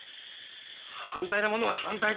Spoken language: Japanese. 反対なものは反対だ！